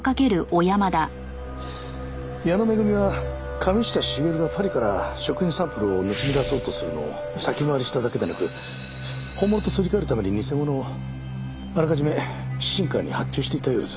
矢野恵は神下茂がパリから食品サンプルを盗み出そうとするのを先回りしただけでなく本物とすり替えるために偽物をあらかじめ新川に発注していたようです。